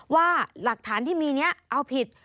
ว่าหลักฐานที่มีนี้เอาผิด